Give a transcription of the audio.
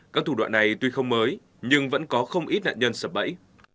các thủ đoạn này tuy không mới nhưng vẫn có không ít nạn nhân sập bẫy